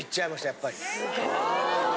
やっぱり。わ！